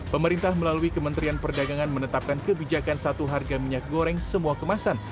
pemerintah melalui kementerian perdagangan menetapkan kebijakan satu harga minyak goreng semua kemasan